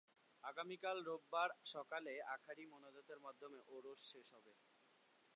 আগামীকাল রোববার সকালে আখেরি মোনাজাতের মধ্য দিয়ে ওরস শেষ হবে।